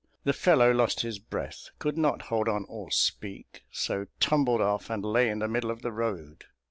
The fellow lost his breath could not hold on or speak so tumbled off and lay in the middle of the road.